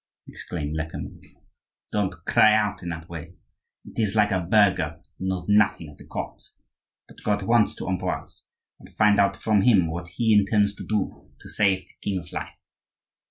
exclaimed Lecamus. "Don't cry out in that way,—it is like a burgher who knows nothing of the court,—but go at once to Ambroise and find out from him what he intends to do to save the king's life.